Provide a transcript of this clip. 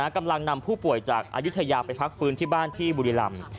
กำลังนำผู้ป่วยจากอายุทยาไปพักฟื้นที่บ้านที่บุรีรำ